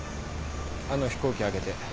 あの飛行機あげて。